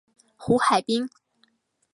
胡海滨。